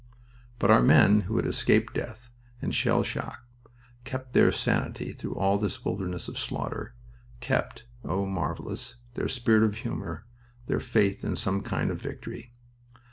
But our men who had escaped death and shell shock kept their sanity through all this wilderness of slaughter, kept oh, marvelous! their spirit of humor, their faith in some kind of victory.